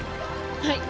はい。